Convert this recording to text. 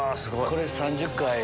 これ３０回。